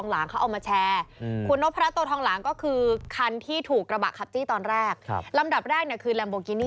แล้วก็เป็นรถของนนกพรรดิ